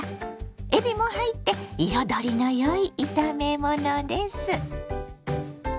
えびも入って彩りのよい炒め物です。